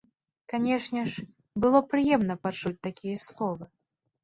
Канешне ж, было прыемна пачуць такія словы.